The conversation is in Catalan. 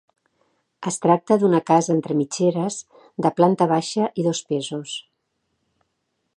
Es tracta d'una casa entre mitgeres, de planta baixa i dos pisos.